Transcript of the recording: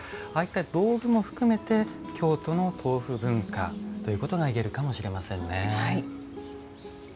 ああいった道具も含めて京都の豆腐文化ということがいえるかもしれませんね。